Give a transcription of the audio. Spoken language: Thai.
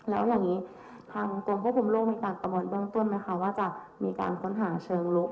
แล้วอย่างนี้ทางกรุงภพภูมิโลกมีการประมวลเบื้องต้นนะคะว่าจะมีการค้นหาเชิงลุก